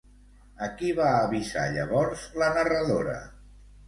A qui va avisar llavors la narradora?